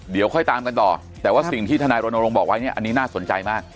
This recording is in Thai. เดี๋ยวค่อยตามกันต่อแต่ว่าสิ่งที่ทนายรณรงค์บอกไว้เนี่ยอันนี้น่าสนใจมาก